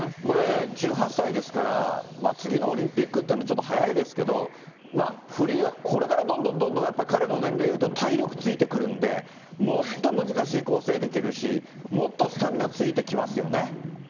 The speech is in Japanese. これ、１８歳ですから、次のオリンピックっていうのはちょっと早いですけど、フリーはこれからどんどんどんどん、やっぱり彼の年齢でいうと、体力ついてくるんで、もっと難しい構成できるし、もっとスタミナついてきますよね。